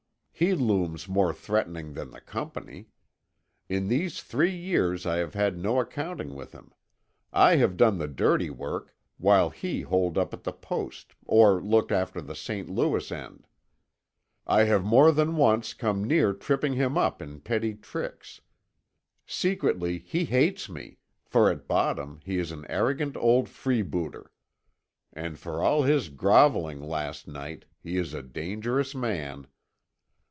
He looms more threatening than the Company. In these three years I have had no accounting with him. I have done the dirty work, while he holed up at the post, or looked after the St. Louis end. I have more than once come near tripping him up in petty tricks. Secretly he hates me, for at bottom he is an arrogant old freebooter. And for all his grovelling last night, he is a dangerous man.